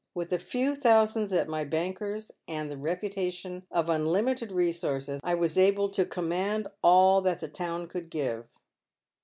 With a few thousands at my banker's, and the reputation of unlimited resources, I was able to command all that the town could give.